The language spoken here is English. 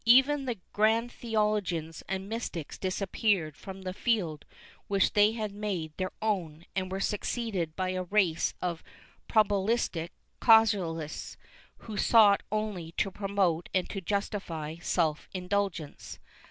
Even the great theologians and mystics disappeared from the field which they had made their own, and were succeeded by a race of probabilistic casuists, who sought only to promote and to justify self indulgence.